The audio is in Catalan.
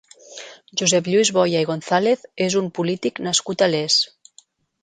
Josep Lluís Boya i González és un polític nascut a Les.